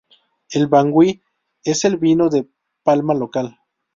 El "Bangui" es el vino de palma local.